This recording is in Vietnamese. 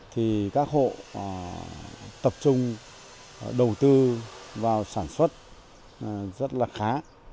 thì các hộ tập trung đầu tư vào sản xuất rất là khá